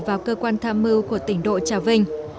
vào cơ quan tham mưu của tỉnh đội trà vinh